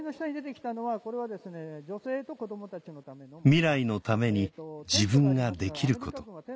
未来のために自分ができること